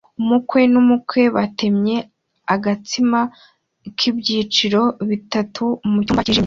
Umukwe n'umukwe batemye agatsima k'ibyiciro bitatu mu cyumba cyijimye